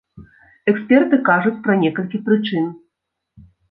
Эксперты кажуць пра некалькі прычын.